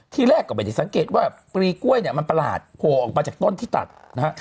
ที่แรกก็ไม่ได้สังเกตว่าปรีกล้วยเนี่ยมันประหลาดโผล่ออกมาจากต้นที่ตัดนะฮะ